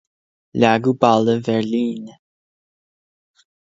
Leagadh Balla Bheirlín.